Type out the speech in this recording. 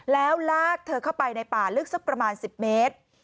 แล้วลากเธอเข้าไปในป่าลึกสักประมาณ๑๐เมตร